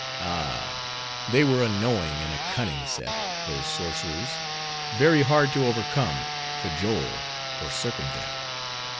Ah! they were a knowing and a cunning set, those sorcerers; very hard to overcome, cajole, or circumvent.